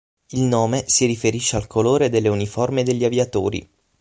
Il nome si riferisce al colore delle uniformi degli aviatori.